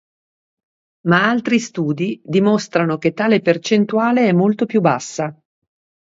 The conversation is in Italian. Ma altri studi dimostrano che tale percentuale è molto più bassa.